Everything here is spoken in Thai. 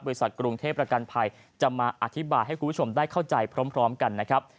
กรุงเทพประกันภัยจะมาอธิบายให้คุณผู้ชมได้เข้าใจพร้อมกันนะครับ